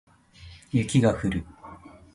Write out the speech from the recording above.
雪が降る